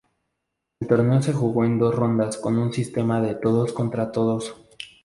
El torneo se jugó en dos rondas con un sistema de todos-contra-todos.